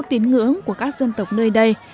tiến ngưỡng của các dân tộc nơi đây